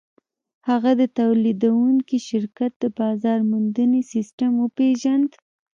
هغه د تولیدوونکي شرکت د بازار موندنې سیسټم وپېژند